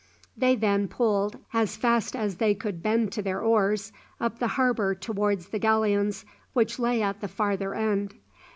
They then pulled, as fast as they could bend to their oars, up the harbour towards the galleons which lay at the farther end.